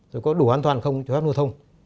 rồi có đủ an toàn không cho phép lưu thông